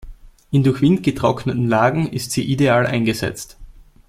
In durch Wind getrockneten Lagen ist sie ideal eingesetzt.